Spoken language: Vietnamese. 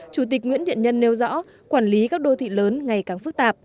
chủ tịch nguyễn thiện nhân nêu rõ quản lý các đô thị lớn ngày càng phức tạp